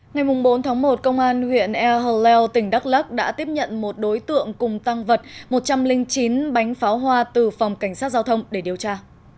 ngày bốn tháng một công an huyện ea leo tỉnh đắk lắc đã tiếp nhận một đối tượng cùng tăng vật một trăm linh chín bánh pháo hoa từ phòng cảnh sát giao thông để điều tra